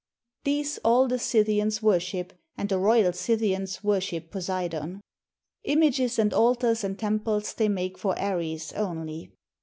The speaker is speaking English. These all the Scythians worship, and the Royal Scyth ians worship Poseidon. Images and altars and temples they make for Ares only.